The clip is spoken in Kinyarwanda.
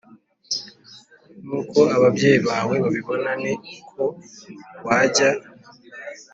nk uko ababyeyi bawe babibo Ni uko wajya